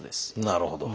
なるほど。